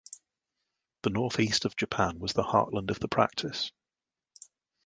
The north east of Japan was the heartland of the practice.